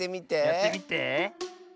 やってみて。